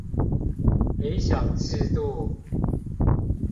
理想制度